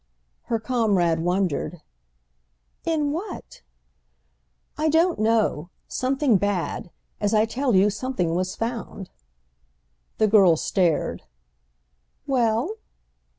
Her comrade wondered. "In what?" "I don't know. Something bad. As I tell you, something was found." The girl stared. "Well?"